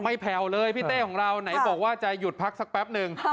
แผ่วเลยพี่เต้ของเราไหนบอกว่าจะหยุดพักสักแป๊บนึง